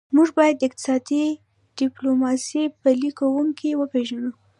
موږ باید د اقتصادي ډیپلوماسي پلي کوونکي وپېژنو